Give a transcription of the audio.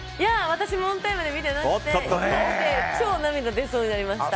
私もオンタイムで見てなくて超涙出そうになりました。